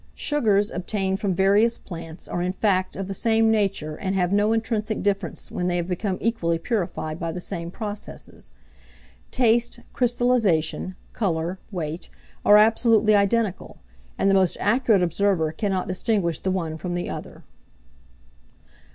Sugars obtained from various plants are in fact, of the same nature, and have no intrinsic difference when they have become equally purified by the same processes. Taste, crystallization, colour, weight, are absolutely identical; and the most accurate observer cannot distinguish the one from the other.